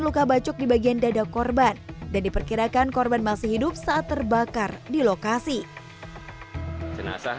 luka bacok di bagian dada korban dan diperkirakan korban masih hidup saat terbakar di lokasi jenazah